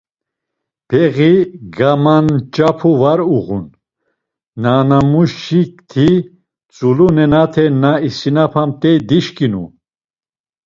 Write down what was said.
Peği gamanç̌apu var uğun Nanamuşikti tzulu nenate na isinapamt̆ey dişǩinu.